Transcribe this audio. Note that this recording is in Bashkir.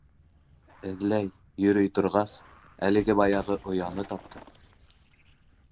Эҙләй, йөрөй торғас, әлеге-баяғы ояны тапты.